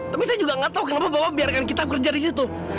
tapi saya juga gak tahu kenapa bapak biarkan kita bekerja di situ